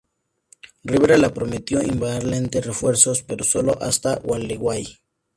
Rivera le prometió enviarle refuerzos, pero sólo hasta Gualeguay.